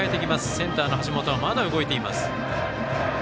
センターの橋本はまだ動いています。